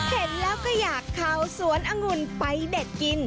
เห็นแล้วก็อยากเข้าสวนองุ่นไปเด็ดกิน